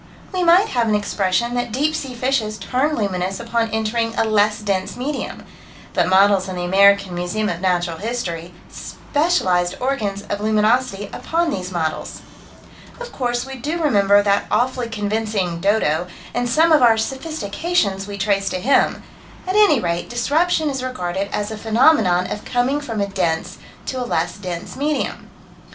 We might have an expression that deep sea fishes turn luminous upon entering a less dense medium but models in the American Museum of Natural History: specialized organs of luminosity upon these models. Of course we do remember that awfully convincing "dodo," and some of our sophistications we trace to him at any rate disruption is regarded as a phenomenon of coming from a dense to a less dense medium.